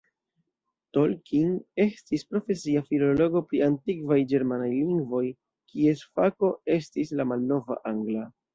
Tolkien estis profesia filologo pri antikvaj ĝermanaj lingvoj, kies fako estis la malnova angla.